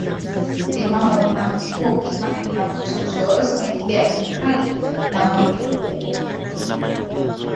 msimamo wa utamaduni huu kiimani unaruhusu mtu yeyote kuingia ilimradi anamuamini Mungu Elimu